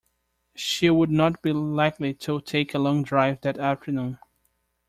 She would not be likely to take a long drive that afternoon.